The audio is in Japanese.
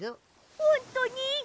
ほんとに？